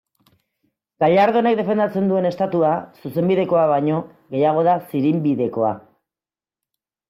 Gallardonek defendatzen duen Estatua, zuzenbidekoa baino, gehiago da zirinbidekoa.